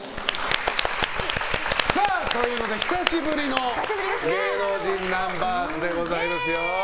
久しぶりの芸能人ナンバーズでございますよ！